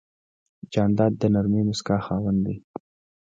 جانداد د نرمې موسکا خاوند دی.